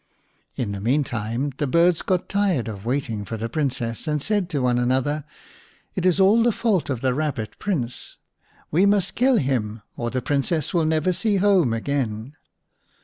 In the meantime the birds got tired of waiting for the Princess, and said to one another, "It is all the fault of the Rabbit Prince. We must kill him or the Princess will never see home again."